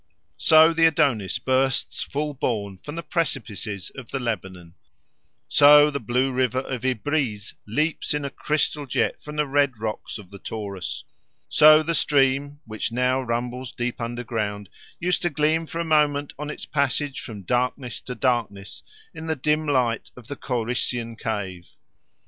So the Adonis bursts full born from the precipices of the Lebanon; so the blue river of Ibreez leaps in a crystal jet from the red rocks of the Taurus; so the stream, which now rumbles deep underground, used to gleam for a moment on its passage from darkness to darkness in the dim light of the Corycian cave.